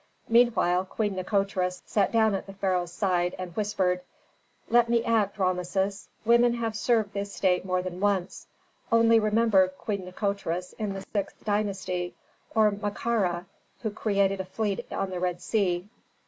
Meanwhile Queen Nikotris sat down at the pharaoh's side, and whispered, "Let me act, Rameses. Women have served this state more than once. Only remember Queen Nikotris in the sixth dynasty, or Makara who created a fleet on the Red Sea.